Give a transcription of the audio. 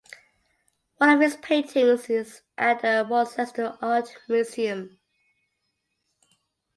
One of his paintings is at the Worcester Art Museum.